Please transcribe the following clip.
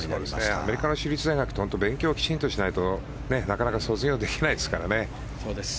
アメリカの私立大学って本当に勉強をきちんとしないとなかなか卒業できないですからね。